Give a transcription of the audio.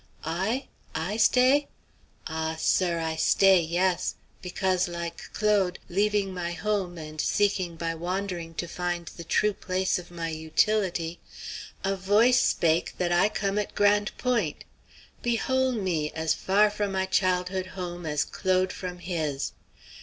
"I? I stay? Ah! sir, I stay, yes! Because like Claude, leaving my home and seeking by wandering to find the true place of my utility, a voice spake that I come at Grande Pointe. Behole me! as far from my childhood home as Claude from his.